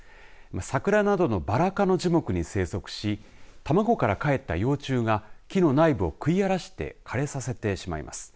桜などのバラ科の樹木に生息し卵からかえった幼虫が木の内部を食い荒らして枯れさせてしまいます。